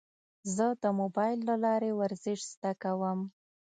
زه د موبایل له لارې ورزش زده کوم.